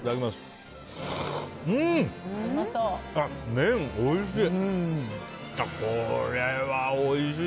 麺、おいしい！